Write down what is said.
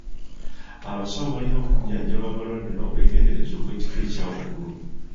Abasawo balina okujjanjaba balwadde n'obwegendereza obw'ekika ekya waggulu.